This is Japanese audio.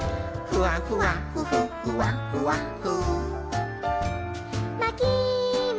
「ふわふわふふふわふわふ」